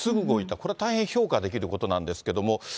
これは大変評価できることなんですけれども。